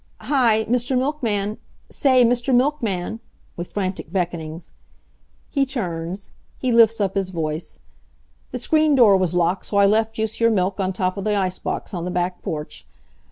"Hi! Mr. Milkman! Say, Mr. Milkman!" with frantic beckonings. He turns. He lifts up his voice. "The screen door was locked so I left youse yer milk on top of the ice box on the back porch.